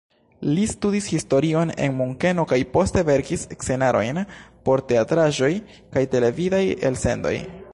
Li studis historion en Munkeno kaj poste verkis scenarojn por teatraĵoj kaj televidaj elsendoj.